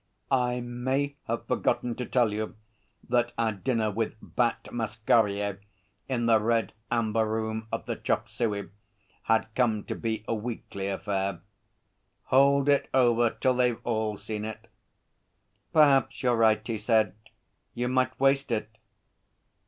(I may have forgotten to tell you that our dinner with Bat Masquerier in the Red Amber Room of the Chop Suey had come to be a weekly affair.) 'Hold it over till they've all seen it.' 'Perhaps you're right,' he said. 'You might waste it.'